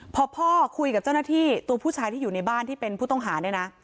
พอพ่อคุยกับเจ้าหน้าที่ตัวผู้ชายที่อยู่ในบ้านที่เป็นผู้ต้องหาเนี่ยนะ